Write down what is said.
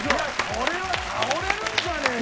これは倒れるんじゃねえか？